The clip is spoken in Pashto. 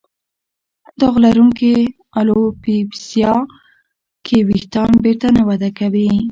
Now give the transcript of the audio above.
داغ لرونکې الوپیسیا کې وېښتان بېرته نه وده کوي.